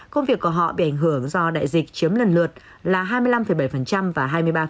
công việc của họ bị ảnh hưởng do đại dịch chiếm lần lượt là hai mươi năm bảy và hai mươi ba